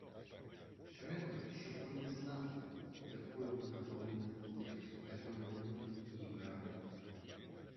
Треба, щоб вони знали, якою вона повинна бути, якою вони її прагнуть.